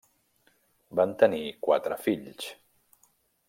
Van tenir quatre fills.